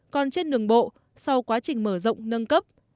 còn trên đường bộ sau quá trình mở rộng nâng cấp